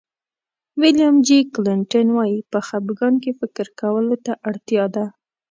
ویلیام جي کلنټن وایي په خفګان کې فکر کولو ته اړتیا ده.